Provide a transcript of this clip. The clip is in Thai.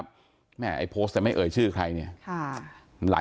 ผมมีโพสต์นึงครับว่า